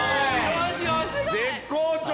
絶好調だ！